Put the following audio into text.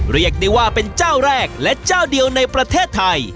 เรียกได้ว่าเป็นเจ้าแรกและเจ้าเดียวในประเทศไทย